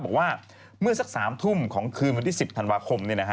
บอกว่าเมื่อสัก๓ทุ่มของคืนวันที่๑๐ธันวาคม